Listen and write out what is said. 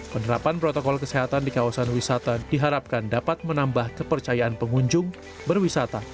penerapan protokol kesehatan di kawasan wisata diharapkan dapat menambah kepercayaan pengunjung berwisata